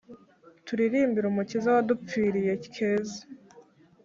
Turirimbire umukiza wadupfiriye keza